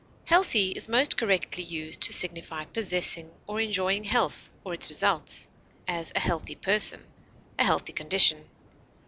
Healthy is most correctly used to signify possessing or enjoying health or its results; as, a healthy person; a healthy condition.